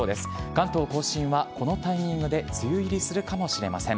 関東甲信はこのタイミングで梅雨入りするかもしれません。